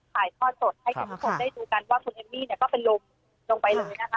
ถ่ายทอดสดให้คุณผู้ชมได้ดูกันว่าคุณเอมมี่เนี่ยก็เป็นลมลงไปเลยนะคะ